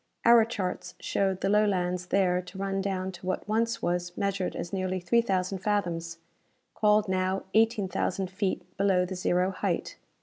Our charts showed the Lowlands there to run down to what once was measured as nearly three thousand fathoms called now eighteen thousand feet below the zero height.